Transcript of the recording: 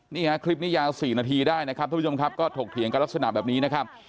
นี่ฮะคลิปนี้ยาว๔นาทีได้นะครับทุกผู้ชมครับก็ถกเถียงกันลักษณะแบบนี้นะครับ